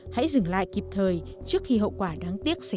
hãy dừng lại kịp thời trước khi hậu quả đáng tiếc xảy ra